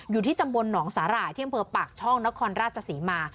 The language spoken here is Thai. อยู่ที่ตำบลหนองสาหร่ายที่อำเภอปากช่องนครราชศรีมา